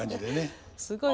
すごい。